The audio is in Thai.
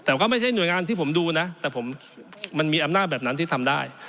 แต่ก็ไม่ใช่หน่วยงานที่ผมดูนะแต่ผมมันมีอำนาจแบบนั้นที่ทำได้